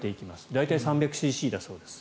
大体３００ｃｃだそうです。